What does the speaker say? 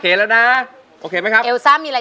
โอเคแล้วนะโอเคมั้ยครับ